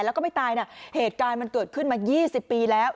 แล้วก็ไม่ตายนะเหตุการณ์มันเกิดขึ้นมา๒๐ปีแล้ว